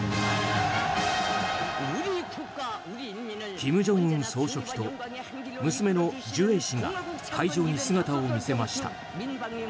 金正恩総書記と娘のジュエ氏が会場に姿を見せました。